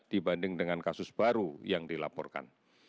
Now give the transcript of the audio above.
dibanding dengan kasus baru yang dilaporkan